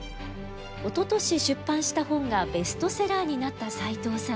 おととし出版した本がベストセラーになった斎藤さん。